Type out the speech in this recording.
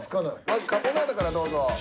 まずカポナータからどうぞ。